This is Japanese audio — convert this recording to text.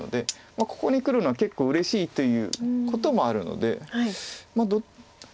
ここにくるのは結構うれしいということもあるのでまあ。